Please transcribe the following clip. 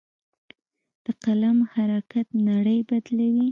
د قلم حرکت نړۍ بدلوي.